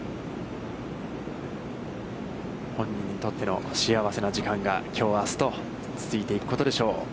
本人にとっての幸せな時間が、きょう、あすと続いていくことでしょう。